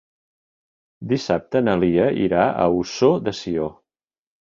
Dissabte na Lia irà a Ossó de Sió.